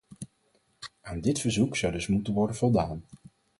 Aan dit verzoek zou dus moeten worden voldaan.